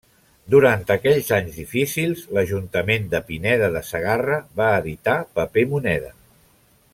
Durant aquells anys difícils l'ajuntament de Pineda de Segarra va editar paper moneda.